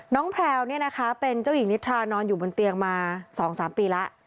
น้องแพรวเนี่ยนะคะเป็นเจ้าหญิงนิษฐานอนอยู่บนเตียงมาสองสามปีละ